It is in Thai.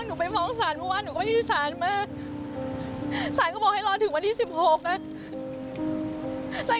หนูก่อนอ่อนเนี่ยมีใครมาคุยกับหนูไหม